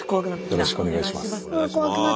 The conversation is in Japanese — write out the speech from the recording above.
よろしくお願いします。